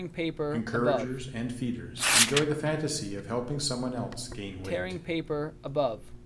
Encouragers and feeders enjoy the fantasy of helping someone else gain weight.